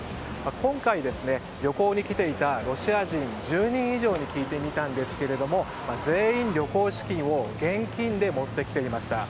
今回、旅行に来ていたロシア人１０人以上に聞いてみたんですけれども全員、旅行資金を現金で持ってきていました。